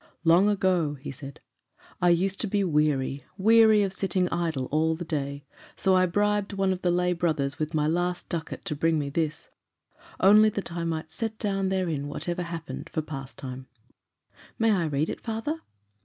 "Long ago," he said, "I used to be weary, weary of sitting idle all the day; so I bribed one of the lay brothers with my last ducat to bring me this, only that I might set down therein whatever happened, for pastime." "May I read it, my father?"